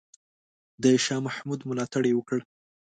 د شاه محمود ملاتړ یې وکړ.